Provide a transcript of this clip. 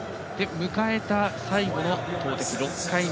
迎えた最後の投てき、６回目。